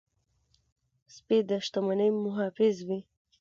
سپي د شتمنۍ محافظ وي.